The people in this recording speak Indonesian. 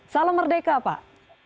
salam merdeka pak